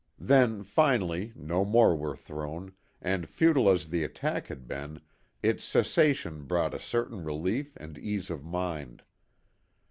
Then, finally no more were thrown, and futile as the attack had been, its cessation brought a certain relief and ease of mind.